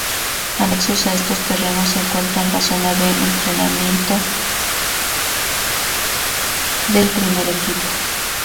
Anexos a estos terrenos se encuentra la zona de entrenamiento del primer equipo.